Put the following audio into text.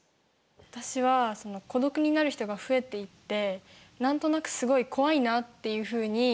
私はその孤独になる人が増えていってなんとなくすごい怖いなっていうふうに感じました。